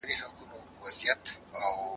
په قلم لیکنه کول د تخلیقي فکر کچه لوړوي.